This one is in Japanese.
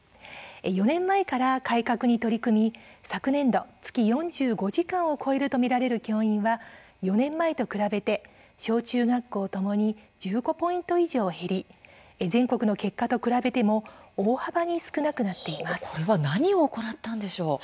４年前から改革に取り組み昨年度、月４５時間を超えると見られる教員は４年前と比べて小中学校ともに１５ポイント以上減り全国の結果と比べても何を行ったんでしょう。